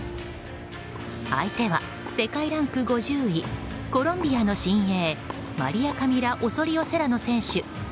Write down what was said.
相手は世界ランク５０位コロンビアの新鋭マリア・カミラ・オソリオ・セラーノ選手。